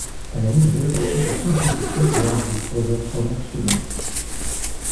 Alani relocated to San Francisco along with other former students.